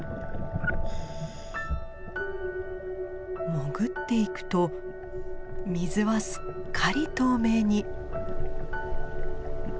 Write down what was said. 潜っていくと水はすっかり透明に。